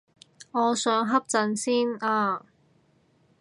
我想瞌陣先啊